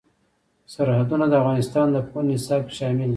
سرحدونه د افغانستان د پوهنې نصاب کې شامل دي.